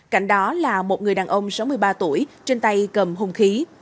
cạnh đó là một người đàn ông sáu mươi ba tuổi trên tay cầm hùng khí